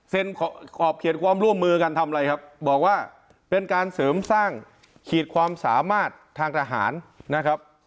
ขอบเขตความร่วมมือกันทำอะไรครับบอกว่าเป็นการเสริมสร้างขีดความสามารถทางทหารนะครับ